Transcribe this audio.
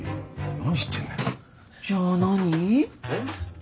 何？